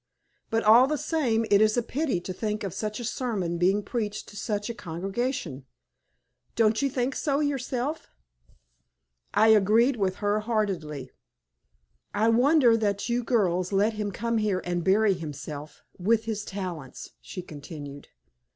But all the same it is a pity to think of such a sermon being preached to such a congregation. Don't you think so yourself?" I agreed with her heartily. "I wonder that you girls let him come here and bury himself, with his talents," she continued.